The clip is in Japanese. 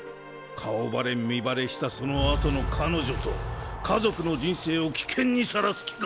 顔バレ身バレしたその後の彼女と家族の人生を危険にさらす気か？